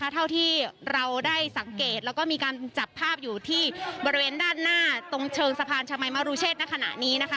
เท่าที่เราได้สังเกตแล้วก็มีการจับภาพอยู่ที่บริเวณด้านหน้าตรงเชิงสะพานชมัยมรุเชษณขณะนี้